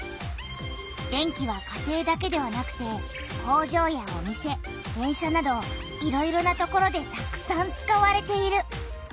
電気は家庭だけではなくて工場やお店電車などいろいろな所でたくさん使われている。